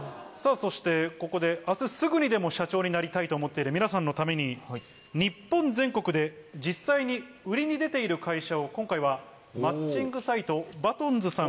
そしてここで明日すぐにでも社長になりたいと思っている皆さんのために日本全国で実際に売りに出ている会社を今回はマッチングサイトＢＡＴＯＮＺさん